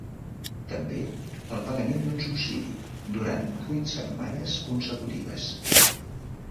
També el pagament d’un subsidi durant vuit setmanes consecutives.